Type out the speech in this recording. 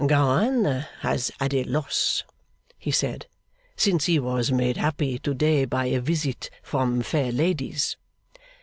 'Gowan has had a loss,' he said, 'since he was made happy to day by a visit from fair ladies.